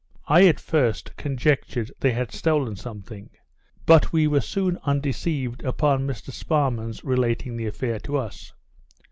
I at first conjectured they had stolen something; but we were soon undeceived upon Mr Sparrman's relating the affair to us.